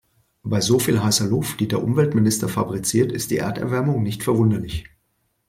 Bei so viel heißer Luft, die der Umweltminister fabriziert, ist die Erderwärmung nicht verwunderlich.